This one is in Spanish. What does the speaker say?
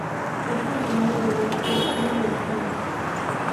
Es originaria del oeste de China y del Tibet.